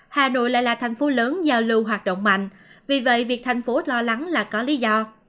hà nội lại là thành phố lớn giao lưu hoạt động mạnh vì vậy việc thành phố lo lắng là có lý do